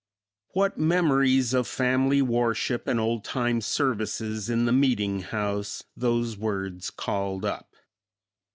What memories of family worship and old time services in the meeting house those words called up.